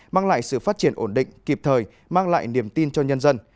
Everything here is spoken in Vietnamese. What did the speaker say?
mang lại sự phát triển ổn định kịp thời mang lại niềm tin cho nhân dân